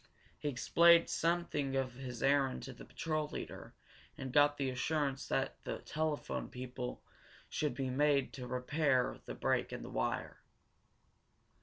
He explained something of his errand to the patrol leader, and got the assurance that the telephone people should be made to repair the break in the wire.